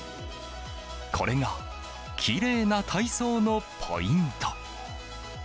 これがきれいな体操のポイント。